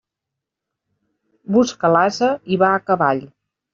Busca l'ase, i va a cavall.